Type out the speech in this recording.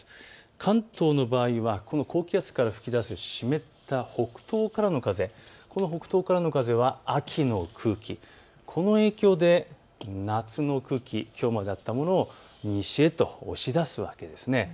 関東の場合は高気圧からふき出す湿った北東からの風、この北東からの風は秋の空気、この影響で夏の空気、きょうまであったものを西へと押し出すわけです。